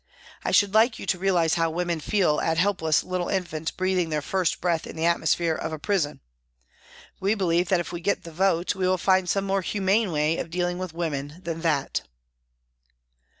I should like you to realise how women feel at helpless little infants breathing their first breath in the atmosphere of a prison. We believe that if we get the vote we will find some more humane way of dealing with women than that."